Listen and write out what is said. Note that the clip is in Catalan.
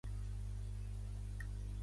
Em dic Ilías Cobas: ce, o, be, a, essa.